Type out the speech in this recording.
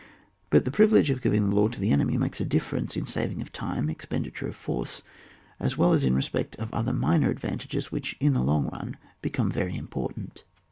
But this privilege of giving the law to the enemy makes a difference in savinp; of time, expenditure offeree, as well as in respect of other minor advantages which, in the long run, becomes very important.